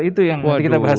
itu yang kita bahas